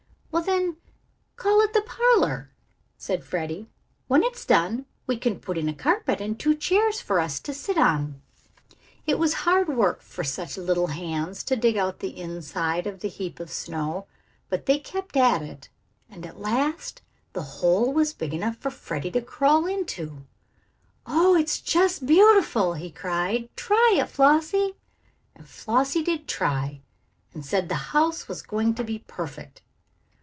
"Well, then, call it the parlor," said Freddie. "When it's done we can put in a carpet and two chairs for us to sit on." It was hard work for such little hands to dig out the inside of the heap of snow, but they kept at it, and at last the hole was big enough for Freddie to crawl into. "Oh, it's jess _beau_tiful!" he cried, "Try it, Flossie!" And Flossie did try, and said the house was going to be perfect.